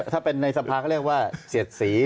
ถ้าเป็นในสภาก็เรียกว่าเสียดสี